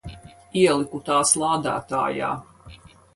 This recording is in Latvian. Ieliku tās lādētājā.